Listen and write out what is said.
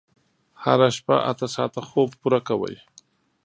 هره شپه اته ساعته خوب پوره کوئ.